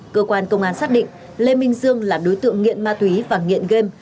cơ quan công an xác định lê minh dương là đối tượng nghiện ma túy và nghiện game